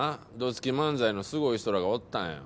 つき漫才のすごい人らがおったんよ。